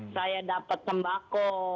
saya dapat sembako